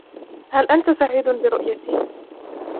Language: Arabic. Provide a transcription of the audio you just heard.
هل أنت سعيد برؤيتي ؟